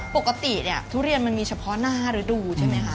ปกติเนี่ยทุเรียนมันมีเฉพาะหน้าฤดูใช่ไหมคะ